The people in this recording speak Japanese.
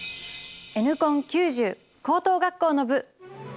「Ｎコン９０」高等学校の部。